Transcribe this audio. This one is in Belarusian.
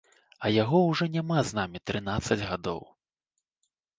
А яго ўжо няма з намі трынаццаць гадоў.